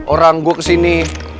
orang gue kesini